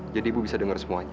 jadi ibu bisa dengar semuanya